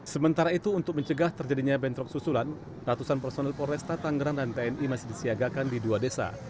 sementara itu untuk mencegah terjadinya bentrok susulan ratusan personil polresta tanggerang dan tni masih disiagakan di dua desa